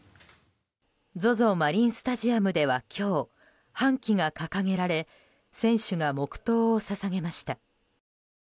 マリンスタジアムでは今日半旗が掲げられ選手が黙祷を捧げました。